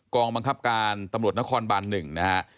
องบังคับการตำรวจนครบาน๑นะฮะ